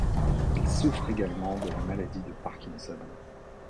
Il souffre également de la maladie de Parkinson.